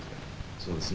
そうですね。